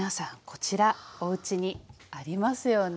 こちらおうちにありますよね？